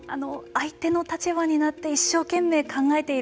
相手の立場になって一生懸命考えている。